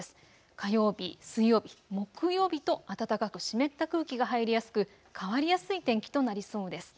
火曜日、水曜日、木曜日と暖かく湿った空気が入りやすく変わりやすい天気となりそうです。